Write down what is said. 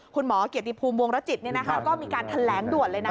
คุณหมอเกียรติภูมิวงรจิตก็มีการแถลงด่วนเลยนะ